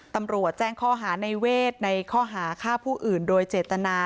ตำรวจแจ้งข้อหาในเวทในข้อหาฆ่าผู้อื่นโดยเจตนา